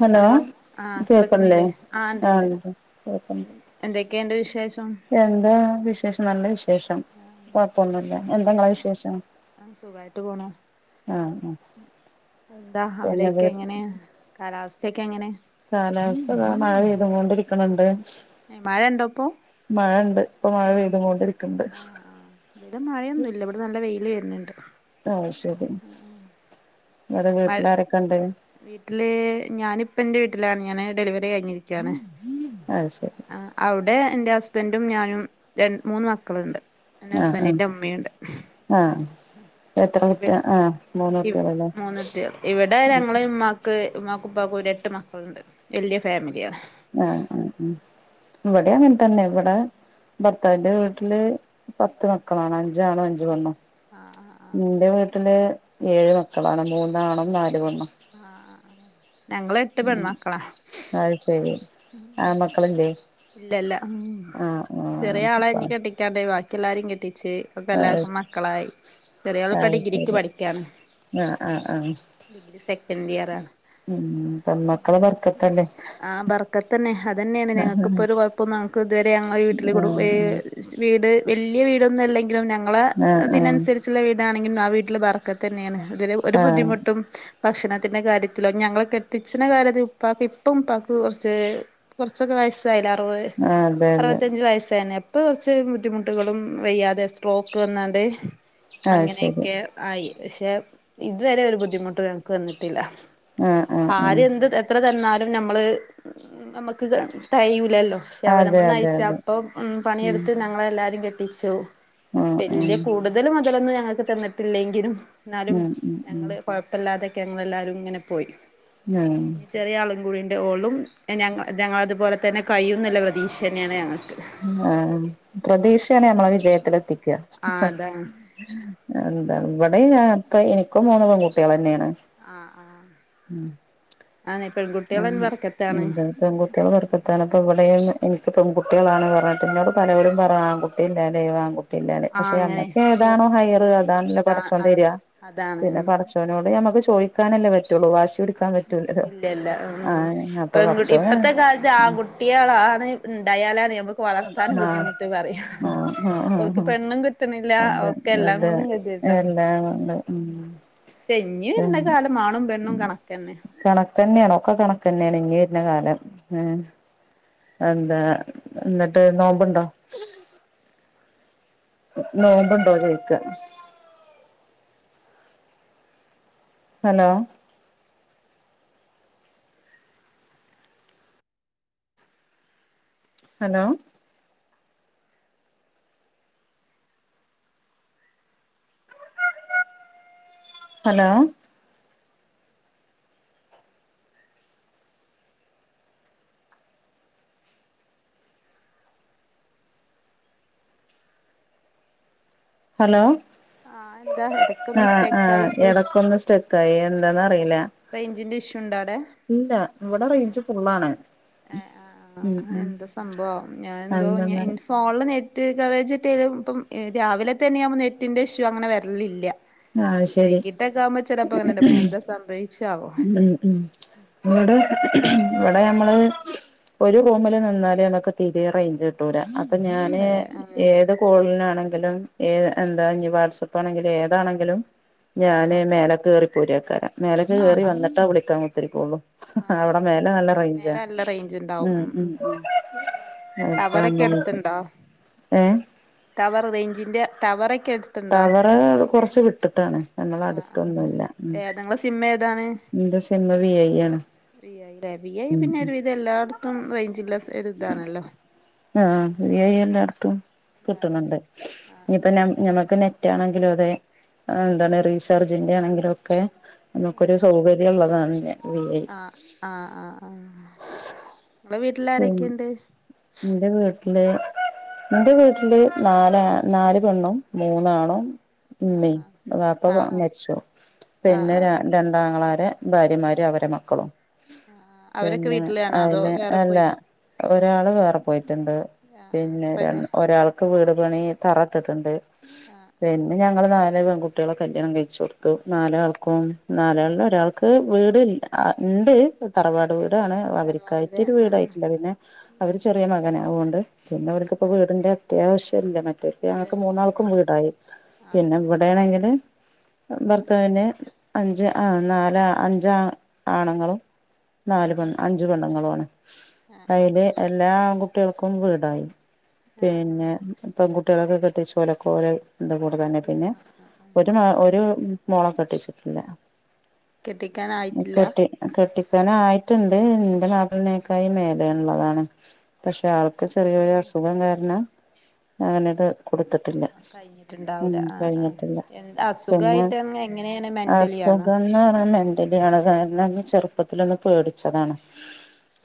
Hello ആഹ് കേൾക്ക്ണി ഇല്ലേ കേൾക്കുന്നില്ലേ ആഹ് കേക്ക്ണ്ട് എന്തക്കേണ്ട് വിശേഷം എന്താണ് വിശേഷം നല്ല വിശേഷം കൊഴപ്പൊന്നുല്ല എ ന്താ ഇങ്ങളെ ആഹ് വിശേഷം ആഹ് സുഖായിട്ട് പോണു ആഹ് എന്താ അവിടെക്കെ എങ്ങനെ കാലാവസ്ഥക്കെ എങ്ങനെ കാലാവസ്ഥതാ മഴ പെയ്തു കൊണ്ടിരിക്ക്ണ് ണ്ട് ഏഹ് മഴണ്ടപ്പോ മഴണ്ട് ആഹ് ആഹ് ആഹ് ഇവിടെ മഴയൊന്നുല്ല ഇവിടെ നല്ല വെയ്ല് വെര്ന്ന്ണ്ട് ആഹ് ശെരി ഇവടെ മഴ വീട്ട്ലാരക്കണ്ട് വീട്ടില് ഞാനിപ്പ എൻറെ വീട്ടിലാണ് ഞാന് ഡെലിവറി കഴിഞ്ഞിരിക്കാണ് അത് ശരി ആഹ് അവിടെ എന്റെ ഹസ്ബൻഡും ഞാനും രണ്ട് മൂന്ന് മക്കളുണ്ട് പിന്നെ ഹസ്ബൻഡ്ന്റെ ഉമ്മിണ്ട്. ആഹ് എത്ര കുട്ടി ആഹ് ഇവ് മൂന്നുട്ടേള്ല്ലേ ക്ക് ഇമ്മക്കും പ്പക്കും എട്ട് മക്കളുണ്ട് വല്യ ഫാമിലിയാണ്. ആഹ് ആഹ് ഉം ഇവിടെ അങ്ങനതന്നെ ഇവിടെ ഭർത്താവിന്റെ വീട്ടില് പത്ത് മക്കളാണ് അഞ്ചാണും അഞ്ച് പെണ്ണും. ഇന്റെ വീട്ടില് ഏഴ് മക്കളാണ് മൂന്നാണും നാല് പെണ്ണും. ആഹ് ഞങ്ങളെട്ട് പെൺമക്കളാ അഹ്ശരി ആൺ മക്കളില്ലേ ഇല്ലല്ല ഉം ആഹ് ചെറിയ ആളെ ആഹ് ഇനി കെട്ടിക്കാണ്ടേ ബാക്കി എല്ലാരും കെട്ടിച്ച്. ഇപ്പൊക്കെ എല്ലാർക്കും അത് മക്കളായി ചെറിയളിപ്പോ അത് ഡിഗ്രിക്ക് ശരി പഠിക്കാണ്. ആഹ് ആഹ് ആഹ് ഡിഗ്രി സെക്കൻഡിയറാണ്. ഉം പെൺമക്കളെ ബർക്കത്തല്ലേ ആഹ് ബർക്കത്തന്നെ അതന്നെണ് നെഹ് ആഹ് ഇക്ക്പ്പൊരു കൊഴപ്പം ഞങ്ങക്ക് ഇതുവരെ ഞങ്ങ വീട്ടിലും ആഹ് ഏഹ് വീട് വല്യ വീടൊന്നല്ലെങ്കിലും ഞ ങ്ങളെ ആഹ് ഇതിനനുസരിച്ചുള്ള വീടാണെങ്കിലും ആ വീട്ടിലെ ബറക്കത്തെന്നെണ് ഇതില് ഒരു ആഹ് ബുദ്ധിമുട്ടും ഭക്ഷണത്തിന്റെ കാര്യത്തിലും ഞങ്ങളെ കെട്ടിച്ച്ണ കാര്യത്തിലും ഉപ്പാക്ക് ഇപ്പം ഉപ്പാക്ക് കൊറച്ച് കുറച്ചൊക്കെ വയസ്സ് സ്സായിലെ അറുവത് ആഹ് ആഹ് അതെ അതെ അറുവത്തഞ്ച് വയസെന്നെ ഇപ്പൊ കുറച്ച് ബുദ്ധിമുട്ടുകളും വയ്യാതെ സ്ട്രോക്ക് വന്നാണ്ട് അത് ശരി അങ്ങനെയൊക്കെ ആയി പക്ഷെ ഇതുവരെ ഒരു ബുദ്ധിമുട്ട് ഞങ്ങക്ക് വന്നിട്ടില്ല ആഹ് ആഹ് ആര് ആഹ് എന്ത് എത്ര തന്നാലും നമ്മൾ നമുക്ക് തകയ്ല്ലല്ലോ പക്ഷെ അവര് അതെ നമ്മൾ അതെ അതെ നയിച്ചപ്പൊ ഉം പണിയെടുത്ത് ഞങ്ങളെല്ലാരിം കെട്ടിച്ചു. ഉം ഉം വല്യ കൂടുതൽ മൊതലൊന്നും ഞങ്ങൾക്ക് തന്നിട്ടില്ലെങ്കിലും എന്നാലും ഉം ഉം ഉം ഞങ്ങള് കൊഴ പ്പല്ലാതെയൊക്കെ ഞങ്ങളെല്ലാരും ഇങ്ങനെ പോയി. ഉം ഇനി ചെറിയ ആളും കൂടീണ്ട് ഓളും ഞ ഞങ്ങളതുപോലെ തന്നെ കൈയുന്നുള്ള പ്രതീക്ഷന്നെയാണ് ഞങ്ങൾക്ക് ആഹ് പ്രതീക്ഷയാണ് ഞമ്മളെ വിജയത്തിലെത്തിക്ക. ആ അതാണ് എന്താ ഇവിടെ ഞങ്ങക്ക് എനിക്കും മൂന്ന് പെൺകുട്ടികളെന്നെണ്. ഉം ആഹ് ഈ പെൺകു ഒന്നും അതെ പെൺകുട്ടികൾ ബർക്കത്താണ് ഇപ്പൊ ഇവിടെയും എനിക്ക് പെൺകുട്ടേളാണ് പറഞ്ഞിട്ട് ഇന്നോട് പലോരും പറയാ ആൺകുട്ടി ഇല്ലല്ലേ ആൺകുട്ടി ട്ടില്ലല്ലേ ആ പക്ഷെ അങ്ങനെ ഞമ്മക്ക് പക്ഷെ ഏതാണോ ഹൈർ അതാണല്ലോ പടച്ചോൻ അതാ തരാ അതാണ് പിന്നെ ഉം പട ച്ചോനോട് നമുക്ക് ചോയിക്കാനല്ലേ പറ്റുള്ളൂ വാശിപിടിക്കാൻ പറ്റൂലല്ലോ. ഇല്ലല്ല ഉം ആഹ് അപ്പൊ പെൺകുട്ടി പടച്ചോന് ഇപ്പത്തെ കാലത്ത് ആൺ കുട്ടേളാണ് ഉണ്ടായാലാണ് നമ്മ വളർത്താൻ ആഹ് ബുദ്ധിമുട്ട് പറയാ ആഹ് ആഹ് ആഹ് ഓൽക്ക് ആഹ് പെണ്ണും കിട്ടുണില്ല ഒ അതെ ക്കെല്ലാം അതെ കൊണ്ടും കതികേടാണ് എല്ലാം ഉണ്ട് ഉം പക്ഷേ ഇഞ്ഞി വര് കാലം ആണും പെണ്ണും കണക്കന്നെ കണക്കന്നെണ് ഒക്കെ കണക്കന്നെണ് ഇനി വരുന്ന കാലം ഉം എന്താ എന്നിട്ട് നോമ്പുണ്ടോ നോമ്പുണ്ടോ ചോയിക്ക ഹലോ ഹലോ ഹലോ ഹലോ ആഹ് എന്താ ഇടക്കൊന്ന് ആഹ് സ്റ്റെക്ക് ആയി ആഹ് പോയി എടക്കൊന്ന് സ്റ്റെക്കായി എന്താന്നാറില റേയ്ഞ്ചിന്റെ ഇഷ്യൂണ്ടൊ അവ്ടെ ഇല്ല ഇവടെ റേയ്ഞ്ച് ഫുള്ളാണ്. ഏഹ് ആഹ് ഉം ആഹ് ഉം എന്തോ സംഭവാവോ ഞാനെന്തോ ഇഞ് ഇൻ അതെന്താന്നറി ഫോൺല് നെറ്റ് കവറെജേറ്റേലും ഇപ്പം ഏ രാവിലെ തന്നെയാവുമ്പോ നെറ്റിന്റെ ഇഷ്യൂ അങ്ങനെ വര്ലില്ല്യ ആഹ് ശരി വൈയ്ക്കിട്ടൊക്കാവുമ്പോ ചെലപോ അങ്ങനെണ്ട് ഇപ്പ എന്താ സംഭയിച്ചാവോ ഉം ഇവടെ ഇവടെ ഞമ്മള് ഒരു റൂമില് നിന്നാല് ഞമ്മക്ക് തിരെ റേയ്ഞ്ച് കിട്ടൂല. ഇപ്പഞാന് ഇല്ലല്ലേ ആഹ് ഏത് കോളിനാണെങ്കിലും ഏ എന്താ ഇഞ്ഞി വാട്സാപ്പ്ണെങ്കില് ഏ താണെങ്കിലും ആഹ് ഞാന് ആഹ് മേലെക് കേറിപ്പൊരാക്കാരം മേലെക്ക്‌ ആഹ് കേറി ആഹ് വന്നിട്ടാ വിളിക്കാൻ കു ത്തിർക്കൊള്ളു ആഹ് ആഹ് അവിടെ മേലെ നല്ല മേലെ റെയ്ഞ്ചാ നല്ല റേഞ്ച് ഉണ്ടാവും ഉം ഉം ഉം അപ്പ ടവറൊക്കെ അങ്ങനെക്കെ ഏഹ് ടവറ് റേയ്ഞ്ചിന്റെ ടവറെക്കെട് ടവറ് കൊർച്ച് വിട്ടിട്ടാണ് ആഹ് ആഹ് ഞമ്മളടുത്തൊന്നുല്ല ഉം ഏതാ നിങ്ങളെ സിം ഏതാണ് ഇന്റെ സി മ്മ് വി ഐ യാണ്. വി ഐ ലെ വി ഐ പിന്നെ ഒരുവീതം എല്ലായിടത്തും റേയ്ഞ്ചിള്ള സ് ഒരിതാണല്ലോ. ആഹ് വി ഐ എല്ലാട്ത്തും കിട്ട്ണ് ണ്ട് ഇഞ്ഞിപ്പൊ നാ ഞമ്മക്ക് നെറ്റാണെങ്കിലും അതെ അന്താണ് റീചാർജിന്റെണെങ്കിലും ഒക്കെ ഞമ്മക്കൊരു സൗകര്യള്ളതാണ് ന് വി ഐ ആഹ് ആഹ് ആഹ് ആഹ് ഇങ്ങള വീട്ടിലാരെക്കെണ്ട്. ല് ഇന്റെ വീട്ടില് നാല നാല് പെണ്ണും മൂന്നാണും ആഹ് ഇമ്മീം വാപ്പ ആഹ് മരിച്ചു ആഹ് പിന്നെ ആഹ് ആഹ് രാ ആഹ് രണ്ട് ആങ്ങളാരെ ഭാര്യമാര് അവരെ മക്കളും ആഹ് ആഹ് അവരൊക്കെ പിന്നെ വീട്ടിലാണോ അതോ അയിലെ വേറെ ലാ പോയിനോ ഒരാള് വേറെ പോയിറ്റ്ണ്ട് ആഹ് ആഹ് പിന്നെ രൺ ഇപ്പല്ലേ - ഒരാൾക്ക് വീട് പണി തറട്ട്ട്ട്ണ്ട് ആഹ് ആഹ് ആഹ് പിന്നെ ഞങ്ങള് നാല് പെൺകു ട്ടിയാളെ കല്യാണം കഴിച്ച് കൊടുത്തു നാലാൾക്കും നാലാള് ഒരാൾ ക്ക്‌ വീട് ൽ ആ ഇണ്ട് തറവാട് വീടാണ് അവര്ക്കായി തറവാട്ട്ലെ ആഹ് ആഹ് വീടായിട്ടില്ല പിന്നെ അവര് ചെറീയെ മകന അവോണ്ട് പിന്നെ അവർക്കിപ്പോ ആഹ് വീടിന്റെ അത്യാവശ്യല്ല മറ്റ് റ്റൊർക്ക് ‌ ഞങ്ങക്ക് ഇല്ലല്ല മൂന്നാൾക്കും ആഹ് വീടായി ആഹ് പിന്നെ ആഹ് ആഹ് ഇവിടേണെങ്കില് ആ ഭർത്താവിനെ അഞ്ച് ആ നാലാ അഞ്ച് ആ ആണുങ്ങളും നാല് പെൺ അഞ്ച് പെണ്ണുങ്ങളുവാണ് അയില് എല്ലാ ആങ്കുട്ടിയാൾക്കും വീടായി പിന്നെ പെൺകുട്ടിയാളൊക്കെ കെട്ടിച്ചു ഓലെക്കെ ഓല എന്തകൂടെ തന്നെ പിന്നെ ഒരുമ ഒര് മോളെ കെട്ടിച്ചിട്ടില്ല ഉം കെട്ടിക്കാനായിട്ടില്ല കെട്ടി കെട്ടിക്കാനായിട്ടുണ്ട് ഇന്റെ മാപ്പളേനക്കായി മേലെള്ളതാണ് പക്ഷെ ആൾക്ക്- ചെറിയൊരു ഉം അസുഖം കാരണം അങ്ങനെട് കൊടുത്തിട്ടില്ല ഒന്നും ഉം കഴിഞ്ഞിട്ടുണ്ടാവൂല ആഹ് ആഹ് കഴിഞ്ഞിട്ടില്ല എന്ത് പിന്നെ അസുഖായിട്ട് എങ്ങനെയാണ് മെന്റലി ആണോ അസുഖം ന്നറഞ്ഞ മെന്റലിയാണ് കാരണം ഒന്ന് ചെറുപ്പത്തിലൊന്ന് പേടിച്ചതാണ്.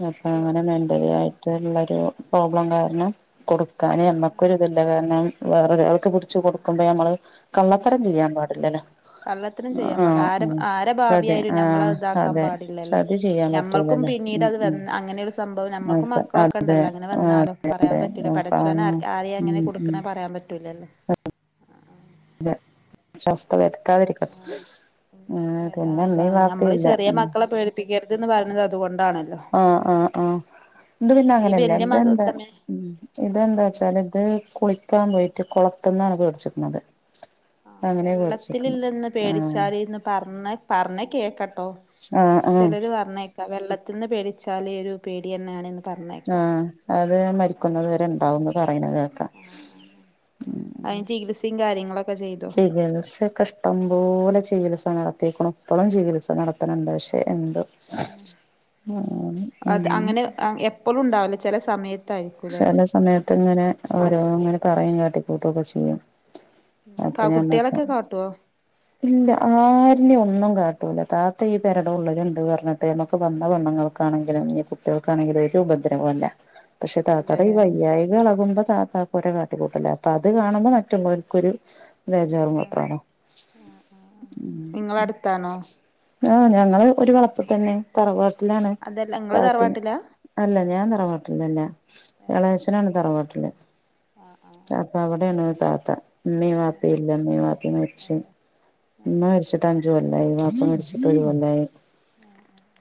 അപ്പാ അയ്യോ അങ്ങനെ മെന്റലി തന്നെ ആയിട്ട്ള്ളരു പ്രോബ്ലം കാർണം കൊടുക്കാന് ആഹ് ഞമ്മക്കൊരിതില്ല കാരണം വേരോരാൾക്ക് പിടിച്ച് കൊടുക്കുമ്പോ ഞമ്മള് കള്ളത്തരം അല്ലേ ചെയ്യാൻ ഉം പാടില്ലല്ലൊ കള്ളത്തരം ചെയ്യാപാടില്ല ആരെ ആരെ ചതി ഭാവിയായാലും ആഹ് നമ്മളത് ഇതാക്കാൻ അതെ പാടില്ലല്ലോ. ചതി ചെയ്യാൻ ഞമ്മൾക്കും പറ്റൂലല്ലോ പിന്നീട് അത് വേ ഉം അങ്ങനെ ഒരു സംബവം നമ്മൾക്കും അതെ അതെ മക്കളൊക്കെണ്ടല്ലോ അങ്ങനെ ആഹ് വന്നാലോ അതെ പറയാൻ അതെ പറ്റൂല്ല പഠച്ചോൻ അതാണ് ആർക് ആരെയും ഉം അങ്ങനെ കൊടുക്ക്ണ ഉം പാ പറയാൻ പറ്റൂലല്ലോ [unintelligible] വരുത്താതിരിക്കട്ട ഉം [unintelligible] അതാണ് നമ്മള് ഈ ചെറിയ ഉം മക്കളെ പേടിപ്പിക്കരുത് ന്ന് പർണത് അതുകൊണ്ടാണല്ലോ ആ ആ ആ ഇത് പിന്നെ ഈ അങ്ങനയല്ല വല്യ ത് മക എന്താ തമ്മെ ഉം ഇതെന്താ ച്ചാല് ഇത് കുളിക്കാൻ പോയിറ്റ് കൊളത്ത്ന്നാണ് പേട്ച്ചക്ക്ണത് വെള്ളത്തിലില്ലന്ന് ആഹ് പേടിച്ചാല്ന്ന് പർന്ന് പർന്ന് കേക്കട്ടോ ആഹ് ആഹ് ചിലര് പറഞ്ഞേക്കാ വെള്ളത്തിന്ന് പേടിച്ചാല് ഒരു പേടിന്നെ യാണ് ന്ന് പർഞ്ഞേക്കാ ആഹ് അത് മരിക്കുന്നത് വരെ ഉണ്ടാവുംന്ന് പറയണ കേക്കാം ആ ആ ആ അതിന് ചികിത്സയും കാര്യങ്ങളൊക്കെ ചെയ്തോ ചികിത്സക്കെ ഇഷ്ടം പോലെ ചികിത്സ നടത്തീക്കുണു പ്പളും ചികിത്സ നട കണ്ടക ശ്ശെ എന്തോ ആ അത് അങ്ങനെ ആ എപ്പളും ണ്ടാവ്ല ചെല സമയത്ത് ചെല സമയത്ത് ഇങ്ങനെ ഓരോ ഇങ്ങനെ പറയും കാട്ടിക്കൂട്ടുക്കെ ചെയ്യും തന്നെ പ്പാ അപ്പൊ കുട്ടികളൊക്കെ ഞമ്മക്ക് കാട്ട്യോ [inaudible] ഇല്ല ആര്നേം ഒന്നും കാട്ടൂല്ല താത്ത ഈ പെരട ഉള്ളല്ണ്ട് പർഞ്ട്ട് ഞമ്മക്ക് വന്ന പെണ്ണുങ്ങള് ക്കാണെങ്കിലും ഞ്ഞി കുട്ടികൾക്കാണെങ്കിലും ഒരു ഉപദ്രവും ല്ല പക്ഷെ താത്തോടെ ഈ ഇല്ലല്ലേ വയ്യായി എളകുമ്പോ താത്താക്കൊര് കാട്ടിക്കൂട്ടലാ അപ്പൊ അത് കാണുമ്പോ മറ്റ്ള്ളോൽക്കൊരു വേജാറും ആഹ് വെപ്റാളോ ആഹ് ആഹ് ആഹ് നിങ്ങളടുത്താണോ ആ ഞങ്ങള് ഒരു വളപ്പ് തന്നെ തറവാട്ട്ലാണ് അതല്ല ഇങ്ങള് താത്തിം തറവാട്ടിലാ അല്ല ഞാൻ തറവാാട്ടിലല്ല ഏഹ് ഏഹ് എളയച്ചനാണ് തറവാട്ടില് ആഹ് ആഹ് അപ്പ ആഹ് അവടേണ് താത്ത ഉമ്മീം ഏഹ് വാപ്പേം ഏഹ് ഇല്ല ഉമ്മേം വാപ്പേം മര്ച്ചു അതെ ആഹ് ഉമ്മ ആഹ് മര്ച്ച്ട്ട് അഞ്ചു കൊല്ലായി വാപ്പ മര്ച്ച്‌ട്ട് ഒരു കൊല്ലായി ആഹ് ആഹ്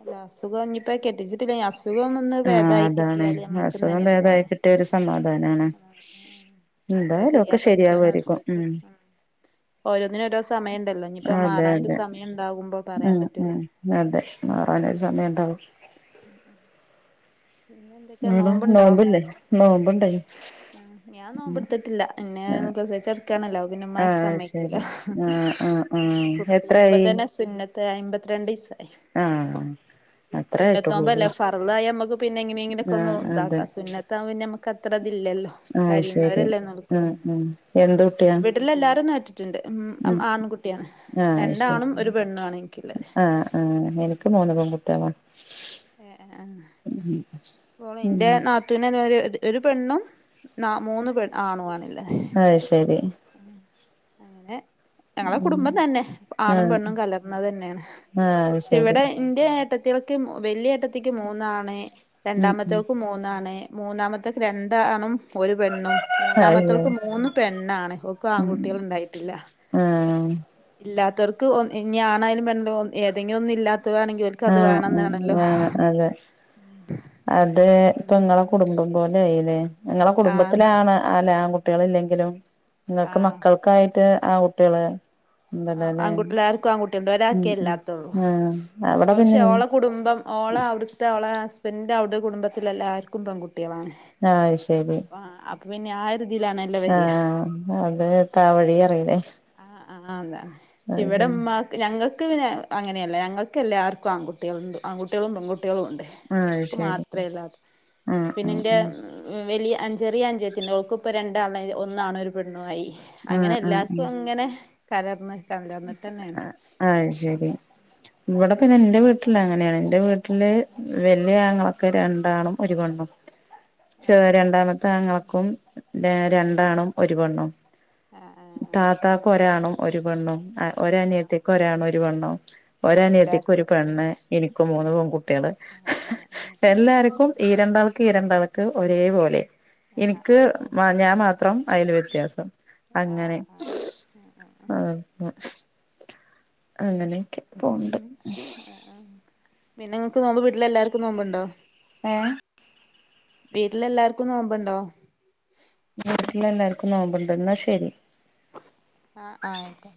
അല്ല അസുഖം ഞ്ഞിപ്പോ കെട്ടിച്ചിട്ടില്ലെങ്കി അസുഖം ഒന്ന് ആഹ് പേദായി കിട്ടിയാല് ഞമ്മക്കും തന്നെ ഒരുതാണ് കിട്ട്യാരു സമാധാനാണ് എന്താ എന്തായാലും ഒക്കെ ചെയ്യാ ശരിയാകുമായിരിക്കും ഉം ഓരോന്നിന് ഓരോ സമയണ്ടല്ലോ ഞ്ഞിപ്പോ അതെ മാറാനൊരു അതെ സമയംണ്ടകുമ്പോ പറയാൻ ഉം പറ്റും ഉം അതെ മാറാനൊരു സമയം ണ്ടാവും ഉം ഉം പിന്നെ എന്തെക് [unintelligible] നോമ്പ് ല്ലേ നോമ്പ്ണ്ടായ്നു ആ ഞാൻ നോമ്പ്ട്ത്തിട്ടില്ല പിന്നെ പ്രസവിച്ചെട്ക്കാണല്ലോ പിന്നെമ്മ ആഹ് സമ്മയ്ക്കൂല ശരി ആഹ് ആഹ് ആഹ് കുട്ടി എത്രായി ഇപ്പത്തന്നെ സുന്നത്ത് അയ്മ്പത്തിരണ്ടീസായി ആഹ് അത്രേ ആയിട്ടുള്ളൂല്ലേ സുന്നത്തോമ്പല്ലേ ഫർളായാ മ്മക്ക് പിന്നെ എങ്ങനെങ്ങനെയെങ്കിലൊക്കെ ഒന്ന് ആഹ് അതെ താക്ക സുന്നത്താവുമ്പ പിന്നെ നമ്മക്ക് അത്ര തില്ലല്ലോ അത് ശരി ആ ആ എന്ത്‌ കുട്ടിയാ വീട്ടില് എല്ലാരും നോറ്റിട്ടുണ്ട് ഉം ആൺകുട്ടിയാണ് ആഹ് രണ്ടാണും ഒരു പെണ്ണു ആണ് എനിയ്ക്കുള്ളത് ആ എനിക്ക് മൂന്ന് പൺകുട്ട്യാളാണ് ഏ ആ ആ ഉം ഉം ഇപ്പോൾ ഇന്റെ നാത്തൂന് തേ മാതിരി ഒരു പെണ്ണും നാ മൂന്ന് പെൺ ആണു വാണ്ള്ളത് അത് ശരി അങ്ങനെ ഞങ്ങളെ ഉം കുടുംബം തന്നെ. ആണും ആഹ് പെണ്ണും കലർന്നത് തന്നെയാണ്. ആഹ് അത് ശരി ഇവിടെ ഇവടെ ഏട്ടത്തിയൾക്ക് വലിയ ഏട്ടത്തിക്ക് മൂന്നാണ്. ഉം ഉം രണ്ടാമത്തോരിക്ക് മൂന്നാണ്. മൂന്നാമത്തേക്ക് രണ്ടാണും ഒരു പെണ്ണും. അതെ മൂന്നാമത്തോക്ക് മൂന്ന് പെണ്ണാണ്. ക്കും ഉം ആങ്കുട്ടികള്ണ്ടായിട്ടില്ല ആഹ് ഇല്ലാത്തവർക്ക് ഓ ഇനി ആണായാലും പെണ്ണായാലും ഏതെങ്കിലും ഒന്ന് ഇല്ലാത്തതാണെങ്കിൽ ഓൽക്ക് അത് ആഹ് ഉം വേണംന്നാണല്ലോ അഹ് അതേ അതേ ഇപ്പോ ഇങ്ങളെ കുടുംബം പോലെ ആയില്ലേ? നിങ്ങളെ ആഹ് കുടുംബത്തിലാണ് അല്ലാ ആൺകുട്ടികള് ഇല്ലെങ്കിലും ഇങ്ങൾക്ക് ആഹ് മക്കൾക്കായിട്ട് ആങ്കുട്ട്യോള് ആഹ് അങ്കുട്ടികള് ല്ലാർക്കും ആൺകുട്ടിള്ണ്ട്. ഒരാക്കേ ഉം ഇല്ലാത്തുള്ളൂ ആഹ് അവിടെ പിന്നെ പക്ഷേ ഓളെ കുടുംബം ഓളെ അവിടു ട്ട് അവളെ ഹസ്ബൻഡ് ന്റെ അവിടെ കുടുംബത്തിലേല്ലാര്ക്കും പെങ്കുട്ടികളാണ് ആഹ് അത് ശരി അപ്പോ അ പിന്നെ ആഹ് ഒരുതിലാണ്. ആഹ് അതേ താവഴി പറീലേ ആഹ് ആഹ് അതേ. ഇവടെ ഉമ്മ ഞങ്ങൾക്ക് പിന്നെ അങ്ങനെയല്ല ഞങ്ങൾക്ക് എല്ലാവർക്കും ആൺകുട്ടികളുംണ്ട്. ആൺകുട്ടികളും പെൺകുട്ടികളും ഉണ്ട്. അത് ഓക്ക് ശരി മാത്രേല്ലാത്ത്. ആഹ് ആഹ് പിന്നെന്റെ വലിയ അൻജ ചെറിയ അൻജത്തിണ്ട്. ഓൾക്ക് ഇപ്പ രണ്ടാണ്. ഒന്നാണ് ഒരു പെണ്ണു ആയി. ആഹ് അങ്ങനെ ആഹ് ആഹ് എല്ലാ ആഹ് ങ്ങനെ കലർന്ന് ട്ടാ. കലർന്നിട്ടന്നേണ്. അയ്ശെരി. ഇവടെ പിന്നെ ഇന്റെ വീട്ടില് അങ്ങനെയാണ്. ഇന്റെ വീട്ടില് വല്യ ആങ്ങളക്ക് രണ്ടാണും ഒരു പെണ്ണും. ച് ആ ആ രണ്ടാമത്തെ ആങ്ങളക്കും രെ രണ്ടാണും ഒരു പെണ്ണും ആഹ് ആഹ് താത്താക്ക് ഒരാണും ഒരു പെണ്ണും. അഹ് ആഹ് ആഹ് ഒരനിയത്തി ക്ക് ഒരാണും ഒരു പെണ്ണും ആഹ് എല്ലാർക്കും ഒരനിയത്തിക്കൊരു ഉണ്ട്ല്ലേ പെണ്ണ്. ഇനിക്കും ആഹ് മൂന്ന് ആഹ് പെങ്കുട്ടികള്. ആഹ് ആഹ് എല്ലാർക്കും ഈരണ്ടാൾ എല്ലാർക്കും ഈരണ്ടാൾക്ക് ഒരേ പോലേ. ആഹ് ഇനിക്ക് ആഹ് ആഹ് ഞാൻ മാത്രം അയില് വ്യത്യാസം. ആഹ് ആഹ് ആഹ് ആഹ് ആഹ് അങ്ങനെയൊക്കെ പോണ്ട് ഉം. അഹ്. അഹ്. പിന്നെങ്ങൾക്ക് ങ്ങടെ വീട്ടിലെല്ലാർക്കും നോമ്പ് ണ്ടോ? ഏഹ് വീട്ടിലെല്ലാർക്കും നോമ്പുണ്ടോ? വീട്ടിൽ എല്ലാവർക്കും നോമ്പ്ണ്ട്. എന്നാ ശരി. ആഹ് ആയികോട്ടെ